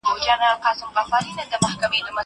زه هره ورځ پاکوالي ساتم!؟